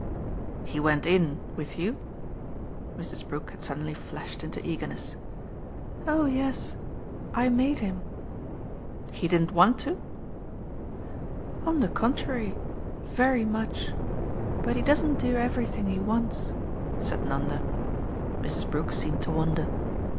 "He went IN with you?" Mrs. Brook had suddenly flashed into eagerness. "Oh yes I made him." "He didn't want to?" "On the contrary very much. But he doesn't do everything he wants," said Nanda. Mrs. Brook seemed to wonder.